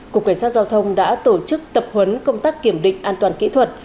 cục cảnh sát giao thông đã tổ chức tập huấn công tác kiểm định an toàn kỹ thuật